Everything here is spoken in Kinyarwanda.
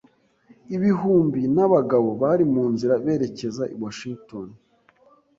Ibihumbi n’abagabo bari mu nzira berekeza i Washington.